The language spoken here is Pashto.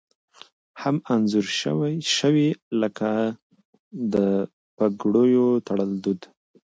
هم انځور شوي لکه د پګړیو تړل دود